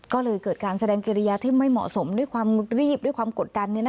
ก็เลยเกิดการแสดงกิริยาที่ไม่เหมาะสมด้วยความรีบด้วยความกดดัน